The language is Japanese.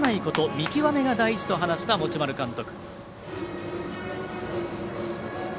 見極めが大事だと話した持丸監督。